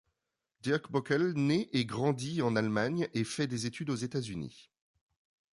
Dirk Bockel né et grandit en Allemagne et fait des études aux États-Unis.